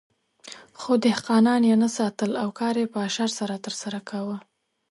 خو دهقانان یې نه ساتل او کار یې په اشر سره ترسره کاوه.